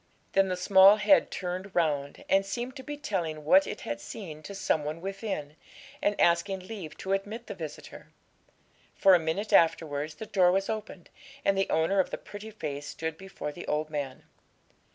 Then the small head turned round, and seemed to be telling what it had seen to some one within, and asking leave to admit the visitor; for a minute afterwards the door was opened, and the owner of the pretty face stood before the old man.